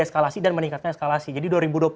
eskalasi dan meningkatkan eskalasi jadi dua ribu dua puluh